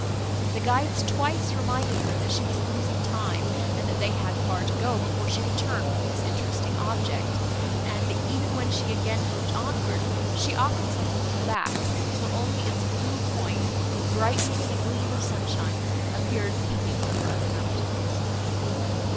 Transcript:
The guides twice reminded her, that she was losing time and that they had far to go, before she could turn from this interesting object, and, even when she again moved onward, she often sent a look back, till only its blue point, brightening in a gleam of sunshine, appeared peeping over other mountains.